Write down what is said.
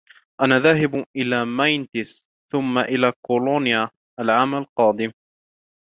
أنا ذاهب إلى ماينتس ثُم إلى كولونيا العام القادم.